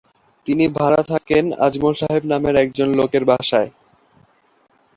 তিনি ভাড়া থাকেন আজমল সাহেব নামের একজন লোকের বাসায়।